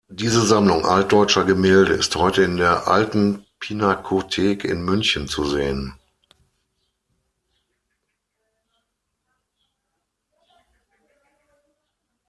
Diese Sammlung altdeutscher Gemälde ist heute in der Alten Pinakothek in München zu sehen.